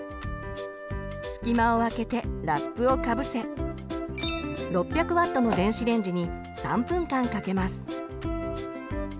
隙間をあけてラップをかぶせ６００Ｗの電子レンジに３分間かけます。